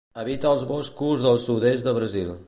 Habita els boscos del sud-est de Brasil.